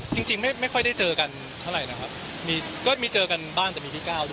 จริงไม่ค่อยได้เจอกันเท่าไหร่นะครับมีก็มีเจอกันบ้างแต่มีพี่ก้าวด้วย